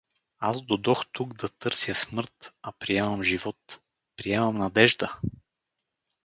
Аз додох тук да търся смърт, а приемам живот… приемам надежда!